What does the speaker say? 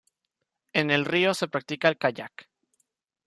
En el río se practica el Kayak.